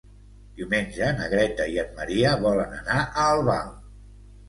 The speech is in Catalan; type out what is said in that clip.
Diumenge na Greta i en Maria volen anar a Albal.